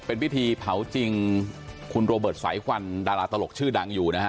เป็นพิธีเผาจริงคุณโรเบิร์ตสายควันดาราตลกชื่อดังอยู่นะฮะ